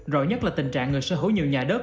rõ nhất là tình trạng người sở hữu nhiều nhà đất